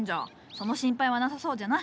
その心配はなさそうじゃな。